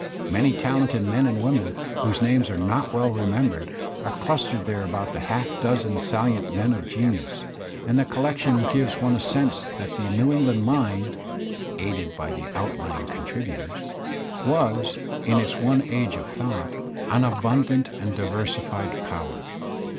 Many talented men and women, whose names are not well remembered, are clustered there about the half dozen saUent men of genius; and the collection gives Digitized by Google 12 THE SPIRIT OF AMERICAN LITERATURE one a sense that the New England mind (aided by the outly ing contributors) was, in its one Age of Thought, an abundant ^ and diversified power.